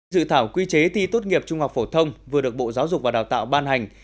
dự thảo quy chế thi tốt nghiệp trung học phổ thông vừa được bộ giáo dục và đào tạo ban hành